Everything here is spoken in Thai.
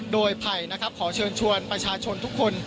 โดยภัยขอเชิญชวนประชาชนทุกคน